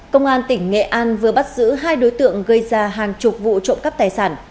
công an tỉnh nghệ an vừa bắt giữ hai đối tượng gây ra hàng chục vụ trộm cắp tài sản